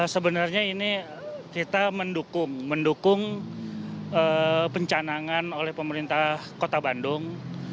sebenarnya ini kita mendukung pencanangan oleh pemerintah kota bandung